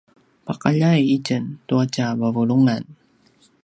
paqaljay itjen tua tja vavulungan